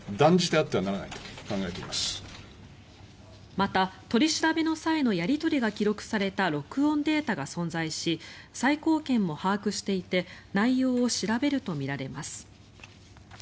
また、取り調べの際のやり取りが記録された録音データが存在し最高検も把握していて内容を調べるとみられます。